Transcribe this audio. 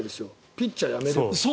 ピッチャーをやめる。